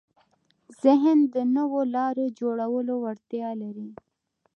ذهن د نوو لارو جوړولو وړتیا لري.